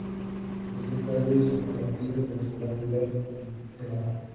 Este estadio es compartido con su gran rival, el Genoa.